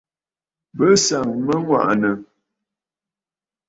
Bɨ sàŋ mə aŋwàʼànə̀.